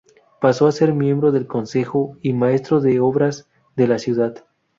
Pasó a ser miembro del consejo y maestro de obras de la ciudad.